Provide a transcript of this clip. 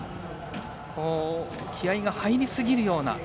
気合いが入りすぎるような。